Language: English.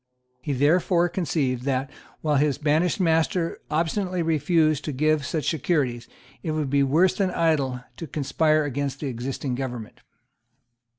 He therefore conceived that, while his banished master obstinately refused to give such securities, it would be worse than idle to conspire against the existing government.